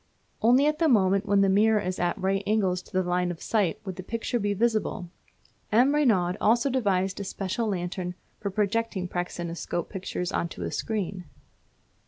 Only at the moment when the mirror is at right angles to the line of sight would the picture be visible. M. Reynaud also devised a special lantern for projecting praxinoscope pictures on to a screen.